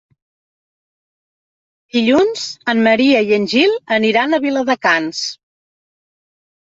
Dilluns en Maria i en Gil aniran a Viladecans.